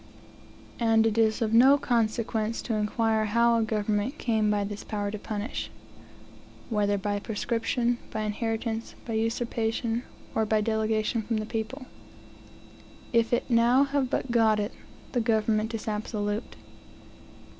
And it is of no consequence to inquire how a government came by this power to punish, whether by prescription, by inheritance, by usurpation. or by delegation from the people's If it have now but got it, the government is absolute.